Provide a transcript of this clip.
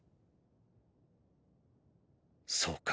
そうか。